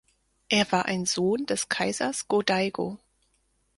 Er war ein Sohn des Kaisers Go-Daigo.